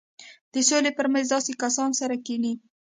د سولې پر مېز داسې کسان سره کښېني.